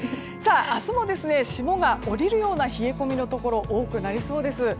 明日も霜が降りるような冷え込みのところが多くなりそうです。